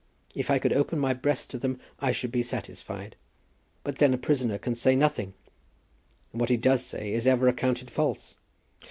If I could open my breast to them I should be satisfied. But then a prisoner can say nothing; and what he does say is ever accounted false."